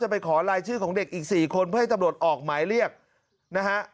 ไปขอลายชื่อของเด็กอีก๔คนเพื่อให้ตำรวจออกหมายเรียกนะฮะ